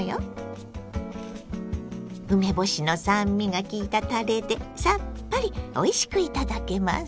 梅干しの酸味がきいたたれでさっぱりおいしくいただけます。